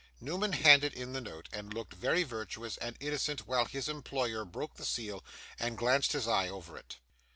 Newman handed in the note, and looked very virtuous and innocent while his employer broke the seal, and glanced his eye over it.